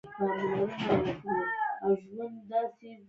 که ته په خپل کار مین وې، هر څوک به پرې باور وکړي.